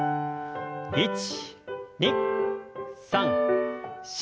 １２３４。